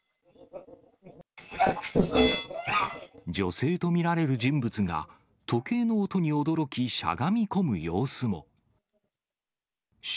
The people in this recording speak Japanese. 女性と見られる人物が、時計の音に驚き、しゃがみ込む様子も。